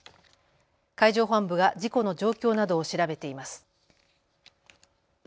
海上保安部が事故の状況などを調べています。